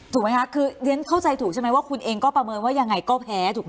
ถูกไหมคะคือเรียนเข้าใจถูกใช่ไหมว่าคุณเองก็ประเมินว่ายังไงก็แพ้ถูกไหม